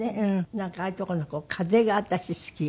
なんかああいうとこの風が私好きよ。